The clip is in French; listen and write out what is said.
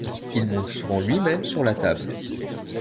Il monte souvent lui-même sur la table.